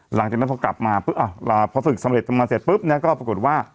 หลังจากนั้นพอกลับมาปุ๊บพอฝึกสำเร็จมาเสร็จปุ๊บเนี่ยก็ปรากฏว่า